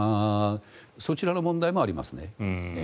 そちらの問題もありますね。